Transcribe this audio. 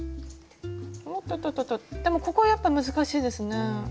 おっとととでもここはやっぱ難しいですね。